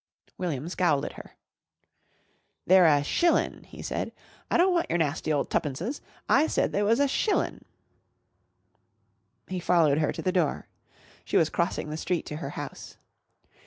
William scowled at her. "They're a shillin'," he said. "I don't want your nasty ole tuppences. I said they was a shillin'." He followed her to the door. She was crossing the street to her house.